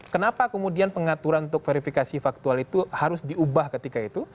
kenapa kemudian pengaturan untuk verifikasi faktual itu harus diubah ketika itu